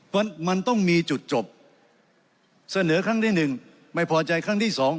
เพราะมันต้องมีจุดจบเสนอครั้งที่หนึ่งไม่พอใจครั้งที่สอง